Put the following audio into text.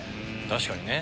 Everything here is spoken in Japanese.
確かにね。